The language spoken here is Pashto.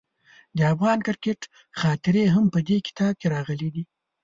د افغان کرکټ خاطرې هم په دې کتاب کې راغلي دي.